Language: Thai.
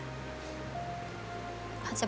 ขอบคุณครับ